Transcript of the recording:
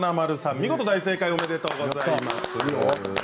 見事大正解おめでとうございます。